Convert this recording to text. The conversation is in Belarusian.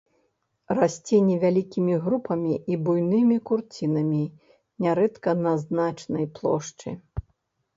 Расце невялікімі групамі і буйнымі курцінамі, нярэдка на значнай плошчы.